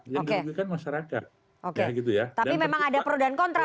tapi memang ada pro dan kontra